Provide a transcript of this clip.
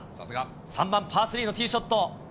３番パースリーのティーショット。